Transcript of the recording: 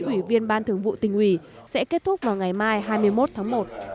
ủy viên ban thường vụ tỉnh ủy sẽ kết thúc vào ngày mai hai mươi một tháng một